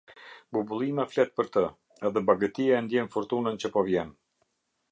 Bubullima flet për të, edhe bagëtia e ndjen furtunën që po vjen.